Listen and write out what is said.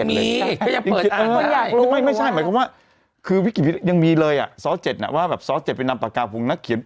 ไม่ใช่หมายความว่าคือวิกฤตยังมีเลยซ้อน๗น่ะว่าแบบซ้อน๗ไปนำตากาภูมินักเขียน